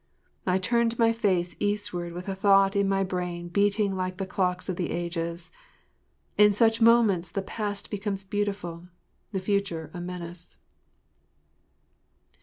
I turned my face eastward with a thought in my brain beating like the clock of the ages. In such moments the past becomes beautiful, the future a menace.